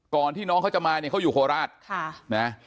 ก่อนที่น้องเขาจะมาเนี่ยเขาอยู่โคราชค่ะนะ